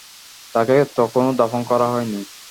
তাঁকে তখনো দাফন করা হয়নি।